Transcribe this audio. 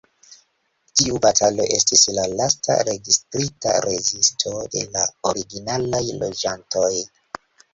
Tiu batalo estis la lasta registrita rezisto de la originaj loĝantoj.